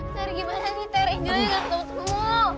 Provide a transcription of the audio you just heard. ter gimana nih ter angelnya gak ketemu kamu